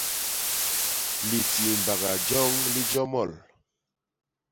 Litiimbaga joñ li jomol.